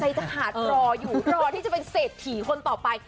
จะขาดรออยู่รอที่จะเป็นเศรษฐีคนต่อไป